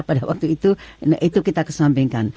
pada waktu itu itu kita kesampingkan